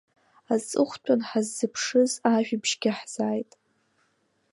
Аҵыхәтәан, ҳаззыԥшыз ажәабжьгьы ҳзааит.